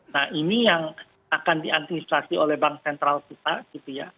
nah ini yang akan diantisipasi oleh bank sentral kita gitu ya